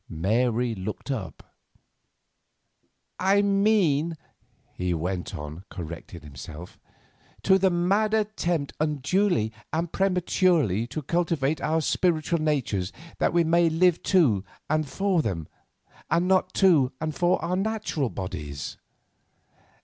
Mary looked up. "I mean," he went on, correcting himself, "to the mad attempt unduly and prematurely to cultivate our spiritual natures that we may live to and for them, and not to and for our natural bodies."